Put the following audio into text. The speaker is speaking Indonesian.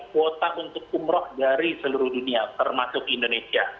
kuota untuk umroh dari seluruh dunia termasuk indonesia